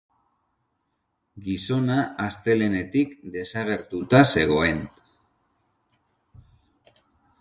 Gizona astelehenetik desagertuta zegoen.